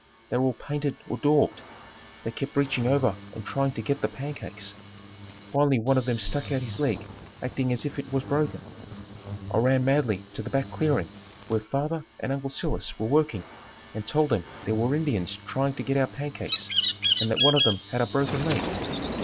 They were all painted or daubed. They kept reaching over and trying to get the pancakes. Finally one of them stuck out his leg acting as if it was broken. I ran madly to the back clearing where father and uncle Silas were working and told them there were Indians trying to get our pancakes and that one of them had a broken leg.